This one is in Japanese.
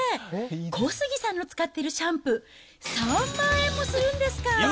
小杉さんの使っているシャンプー、３万円もするんですか！